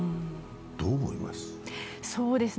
どう思います？